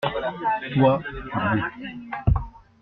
Toi, tu lus.